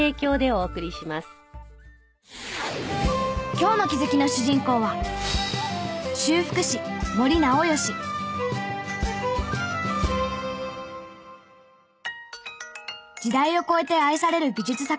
今日の気づきの主人公は時代を超えて愛される美術作品。